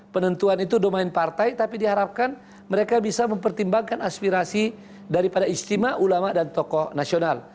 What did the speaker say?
penentuan itu domain partai tapi diharapkan mereka bisa mempertimbangkan aspirasi daripada istimewa ulama dan tokoh nasional